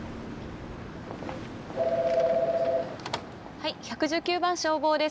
☎はい１１９番消防です。